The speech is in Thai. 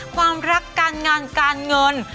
ความรักการงานการเงิน